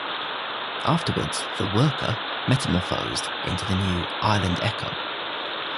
Afterwards, the "Worker" metamorphosed into the new "Ireland Echo".